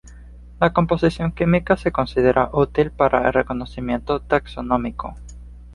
La composición química se considera útil para el reconocimiento taxonómico.